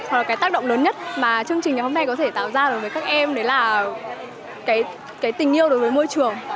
hoặc là cái tác động lớn nhất mà chương trình ngày hôm nay có thể tạo ra đối với các em đấy là cái tình yêu đối với môi trường